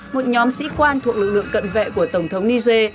một nhóm sĩ quan thuộc lực lượng cận vệ của tổng thống niger